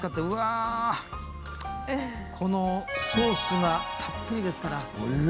このソースがたっぷりですから。